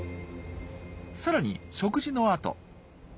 さらに食事のあと。